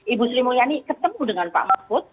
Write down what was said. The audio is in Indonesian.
ibu sri mulyani ketemu dengan pak mahfud